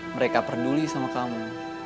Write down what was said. mereka peduli sama kamu